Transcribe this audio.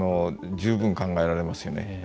十分考えられますよね。